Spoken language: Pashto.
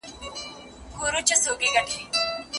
رسول الله ورته وويل: تا د اولادونو تر منځ عدل ونکړ.